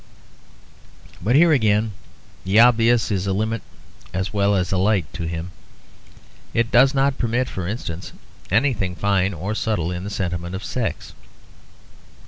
But here again the obvious is a limit as well as a light to him. It does not permit, for instance, anything fine or subtle in the sentiment of sex.